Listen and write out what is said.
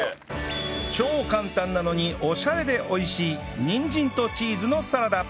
超簡単なのにオシャレで美味しいにんじんとチーズのサラダ